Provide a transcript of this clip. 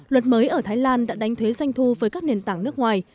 luật mới ở thái lan đã đánh thuế doanh thu với các nền tảng nước ngoài